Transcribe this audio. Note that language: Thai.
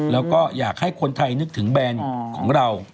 แล้วก็อยากให้คนไทยนึกถึงแบรนด์ของเรา